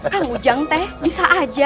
kang ujang teh bisa aja